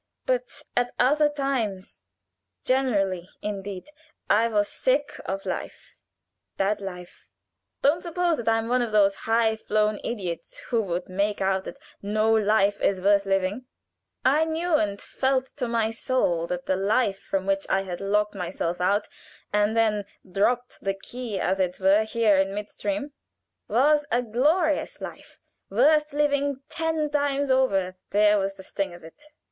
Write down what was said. But at other times, generally indeed, I was sick of life that life. Don't suppose that I am one of those high flown idiots who would make it out that no life is worth living: I knew and felt to my soul that the life from which I had locked myself out and then dropped the key as it were here in midstream, was a glorious life, worth living ten times over. "There was the sting of it.